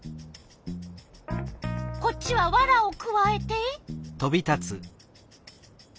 こっちはワラをくわえて。